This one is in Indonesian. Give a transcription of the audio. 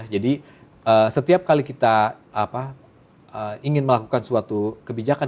jadi setiap kali kita ingin melakukan suatu kebijakan